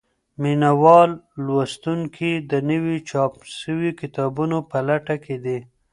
مينه وال لوستونکي د نويو چاپ سوو کتابونو په لټه کي دي.